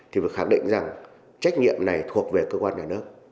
thì phải khẳng định rằng trách nhiệm này thuộc về cơ quan nhà nước